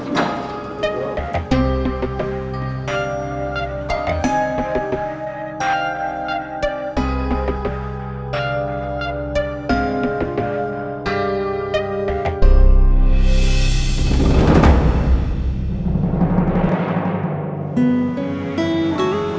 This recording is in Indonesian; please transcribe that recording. ya baik bu